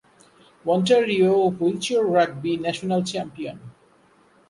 Ontario Wheelchair Rugby National Champion.